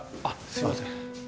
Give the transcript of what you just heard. あっすいません。